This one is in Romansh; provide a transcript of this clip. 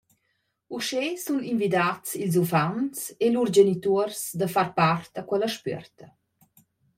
Uschè sun invidats ils uffants e lur genituors da far part a quella spüerta.